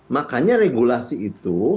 makanya regulasi itu